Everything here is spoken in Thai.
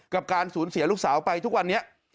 การสูญเสียลูกสาวไปทุกวันนี้